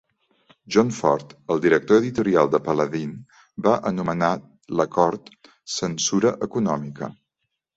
Jon Ford, el director editorial de Paladin, va anomenar l'acord "censura econòmica".